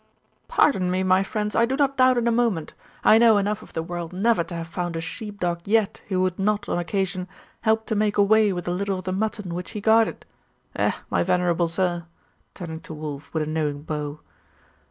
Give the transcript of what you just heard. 'Pardon me, my friends, I do not doubt it a moment. I know enough of the world never to have found a sheep dog yet who would not, on occasion, help to make away with a little of the mutton which he guarded. Eh, my venerable sir?' turning to Wulf with a knowing bow.